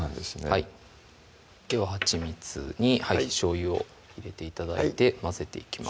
はいでははちみつにしょうゆを入れて頂いて混ぜていきます